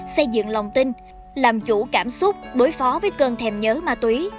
xây dựng lòng tin làm chủ cảm xúc đối phó với cơn thèm nhớ ma túy